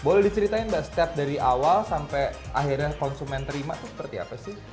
boleh diceritain mbak step dari awal sampai akhirnya konsumen terima tuh seperti apa sih